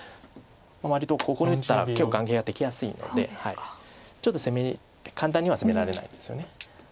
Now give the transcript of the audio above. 割とここに打ったら結構眼形ができやすいのでちょっと簡単には攻められないですよね。